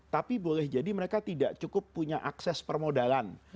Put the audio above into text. tapi boleh jadi mereka tidak cukup punya akses permodalan